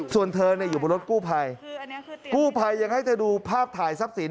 ส่วนเธอเนี่ยอยู่บนรถกู้ภัยกู้ภัยยังให้จะดูภาพถ่ายทรัพย์สิน